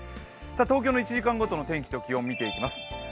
東京の１時間ごとの天気と気温を見ていきます。